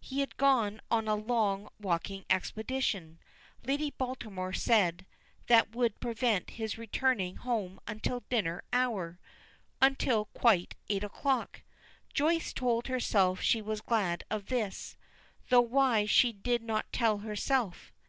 He had gone on a long walking expedition, Lady Baltimore said, that would prevent his returning home until dinner hour until quite 8 o'clock. Joyce told herself she was glad of this though why she did not tell herself.